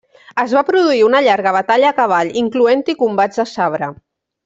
Es va produir una llarga batalla a cavall, incloent-hi combats de sabre.